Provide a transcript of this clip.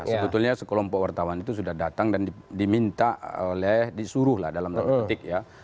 sebetulnya sekelompok wartawan itu sudah datang dan diminta oleh disuruh lah dalam tanda petik ya